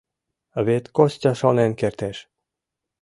Вет Костя шонен кертеш...